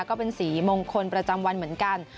ก็เป็นสีมงคลประจำวันเหมือนกัน